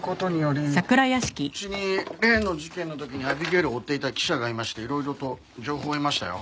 うちに例の事件の時にアビゲイルを追っていた記者がいましていろいろと情報を得ましたよ。